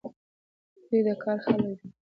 دوی د کار خلک دي.